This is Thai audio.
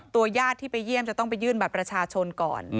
ญาติที่ไปเยี่ยมจะต้องไปยื่นบัตรประชาชนก่อน